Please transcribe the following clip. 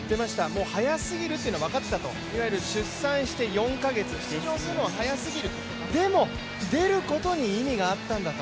もう早すぎるというのは分かっていたと、出産をして４か月で出場するのは早すぎる、でも出ることに意味があったんだと。